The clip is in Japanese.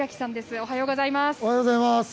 おはようございます。